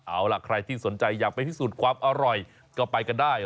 เอาล่ะใครที่สนใจอยากไปพิสูจน์ความอร่อยก็ไปกันได้